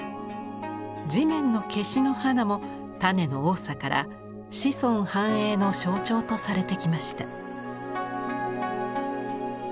地面のケシの花も種の多さから子孫繁栄の象徴とされてきました。